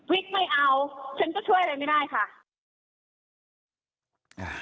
ไม่เอาฉันก็ช่วยอะไรไม่ได้ค่ะ